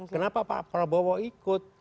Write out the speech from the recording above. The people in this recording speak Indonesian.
kenapa pak prabowo ikut